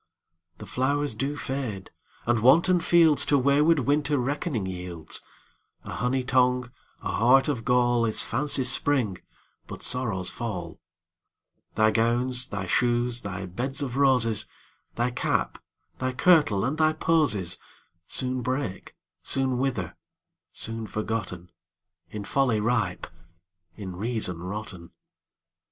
The flowers do fade, and wanton fieldsTo wayward Winter reckoning yields:A honey tongue, a heart of gall, Is fancy's spring, but sorrow's fall. Thy gowns, thy shoes, thy beds of roses, Thy cap, thy kirtle, and thy posies, Soon break, soon wither—soon forgotten, In folly ripe, in reason rotten.